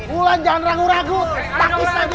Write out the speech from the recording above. wulan jangan ragu ragu takis aja